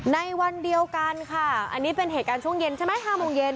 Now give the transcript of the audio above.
ในวันเดียวกันค่ะอันนี้เป็นเหตุการณ์ช่วงเย็นใช่ไหม๕โมงเย็น